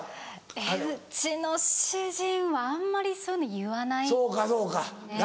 うちの主人はあんまりそういうの言わないですね。